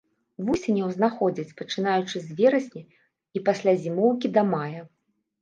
Вусеняў знаходзяць, пачынаючы з верасня, і пасля зімоўкі да мая.